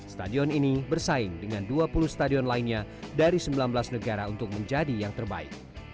stadion ini bersaing dengan dua puluh stadion lainnya dari sembilan belas negara untuk menjadi yang terbaik